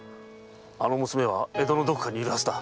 あの娘は江戸のどこかに居るはずだ。